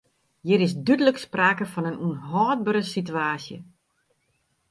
Hjir is dúdlik sprake fan in ûnhâldbere sitewaasje.